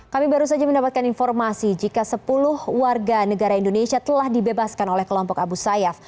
kami baru saja mendapatkan informasi jika sepuluh warga negara indonesia telah dibebaskan oleh kelompok abu sayyaf